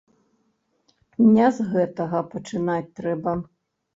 Не з гэтага пачынаць трэба!